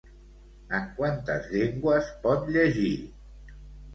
En quantes llengües pot llegir?